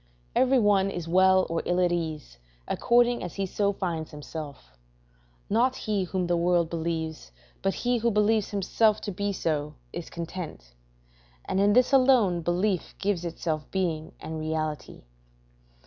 Every one is well or ill at ease, according as he so finds himself; not he whom the world believes, but he who believes himself to be so, is content; and in this alone belief gives itself being and reality.